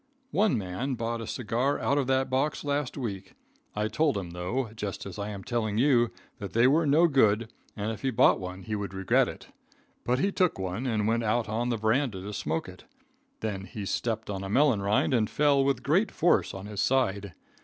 One man bought a cigar out of that box last week. I told him, though, just as I am telling you, that they were no good, and if he bought one he would regret it. But he took one and went out on the veranda to smoke it. Then he stepped on a melon rind and fell with great force on his side.